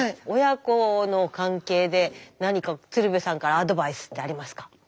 親子の関係で何か鶴瓶さんからアドバイスってありますか？